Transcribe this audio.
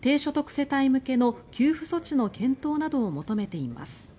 世帯向けの給付措置の検討などを求めています。